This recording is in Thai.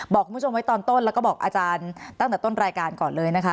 บอกคุณผู้ชมไว้ตอนต้นแล้วก็บอกอาจารย์ตั้งแต่ต้นรายการก่อนเลยนะคะ